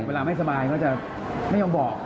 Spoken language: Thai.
เวลาไม่สบายก็จะไม่ยอมบอก